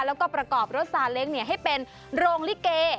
แล้วก็ประกอบรสาเล็กเนี่ยให้เป็นโรงลิเก